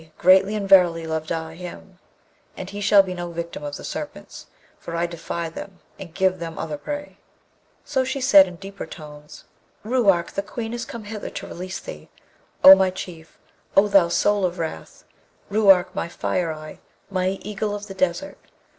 greatly and verily love I him; and he shall be no victim of the Serpents, for I defy them and give them other prey.' So she said in deeper notes, 'Ruark! the Queen is come hither to release thee. O my Chief! O thou soul of wrath! Ruark, my fire eye! my eagle of the desert!